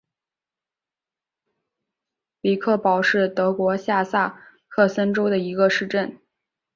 比克堡是德国下萨克森州的一个市镇。